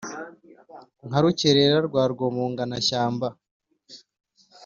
nka rukerera rwa rwomongana-shyamba.